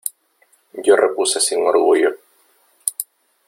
yo repuse sin orgullo :